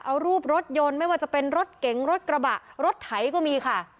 เอารูปรถยนต์ไม่ว่าจะเป็นรถเก๋งรถกระบะรถไถก็มีค่ะ